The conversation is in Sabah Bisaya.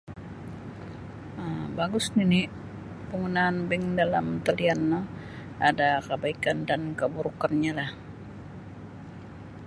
um Bagus nini panggunaan bank dalam talian no ada kabaikan dan kaburukanyalah.